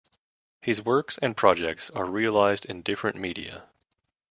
His works and projects are realized in different media.